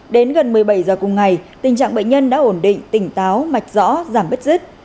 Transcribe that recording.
đến gần một mươi bảy giờ cùng ngày tình trạng bệnh nhân đã ổn định tỉnh táo mạch rõ giảm bất dứt